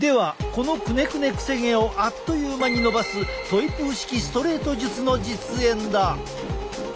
このくねくねくせ毛をあっという間に伸ばすトイプー式ストレート術の実演だ！